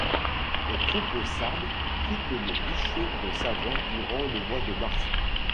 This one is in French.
Les troupes sardes quittent le duché de Savoie durant le mois de mars.